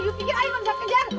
you pikir ay gak bisa kejar